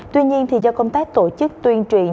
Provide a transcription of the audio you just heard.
tuy nhiên do công tác tổ chức tuyên truyền